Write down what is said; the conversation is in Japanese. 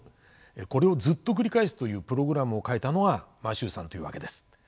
これをずっと繰り返すというプログラムを書いたのがマシューさんというわけです。